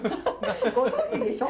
ご存じでしょ？